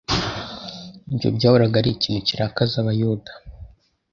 ibyo byahoraga ari ikintu kirakaza abayuda.